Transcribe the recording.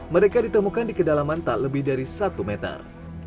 mereka ditemukan di kedalaman tak lebih dari satu meter